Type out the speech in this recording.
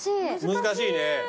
難しいね。